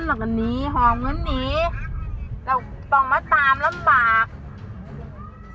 หลากนี่ห่อมเงินหนีจะต้องมาตามหลำบาก